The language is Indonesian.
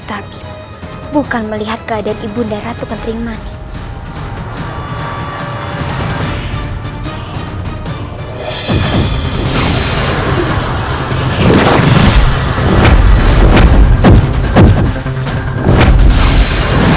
tapi bukan melihat keadaan ibu darah tukang kering manis